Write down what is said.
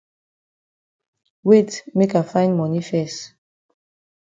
Wait make I find moni fes.